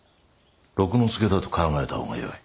六之助だと考えたほうがよい。